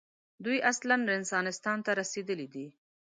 دوی اصلاً رنسانستان ته رسېدلي دي.